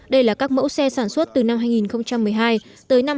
đây là các mẫu xe sản xuất từ năm hai nghìn một mươi hai tới năm hai nghìn hai mươi